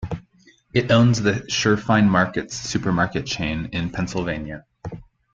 It owns the Shurfine Markets supermarket chain in Pennsylvania.